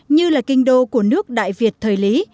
như là kinh đô của nước đại việt thời lý